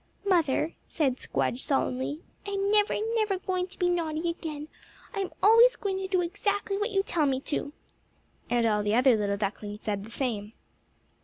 "Mother," said Squdge solemnly, "I'm never, never going to be naughty again. I'm always going to do exactly what you tell me to do." And all the other little ducklings said the same.